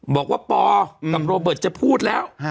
บอกว่าปอกับโรเบิร์ตจะพูดแล้ว